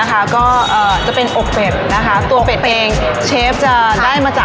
ตัวเนื้อเป็ดมันจะมีความฉ่ำ